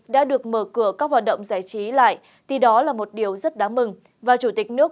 đã được mở cửa các hoạt động giải trí lại thì đó là một điều rất đáng mừng và chủ tịch nước